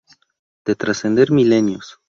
De trascender milenios'.